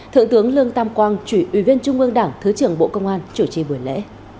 thượng tướng lương tam quang ủy viên trung ương đảng thứ trưởng bộ công an chủ trì buổi lễ